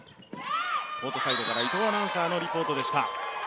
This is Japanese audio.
コートサイドから伊藤アナウンサーのリポートでした。